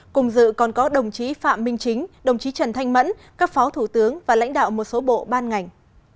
cùng dự còn có đồng chí phạm minh chính đồng chí trần thanh mẫn các phó thủ tướng và lãnh đạo một số bộ ban ngành